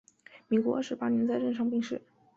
民国二十八年在任上病逝。